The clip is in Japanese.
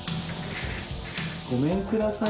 ごめんください。